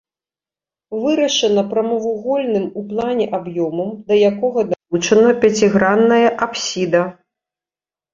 Вырашана прамавугольным у плане аб'ёмам, да якога далучана пяцігранная апсіда.